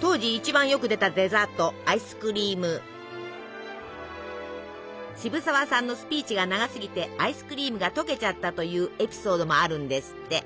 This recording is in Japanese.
当時一番よく出たデザート渋沢さんのスピーチが長すぎてアイスクリームが溶けちゃったというエピソードもあるんですって。